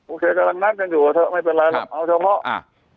โอเคกำลังนัดกันอยู่กันเถอะไม่เป็นไรเอาเฉพาะ